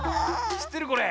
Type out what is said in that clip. しってるこれ？